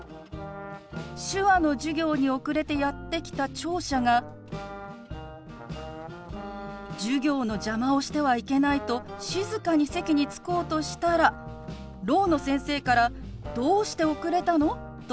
手話の授業に遅れてやって来た聴者が授業の邪魔をしてはいけないと静かに席に着こうとしたらろうの先生から「どうして遅れたの？」と理由を聞かれたの。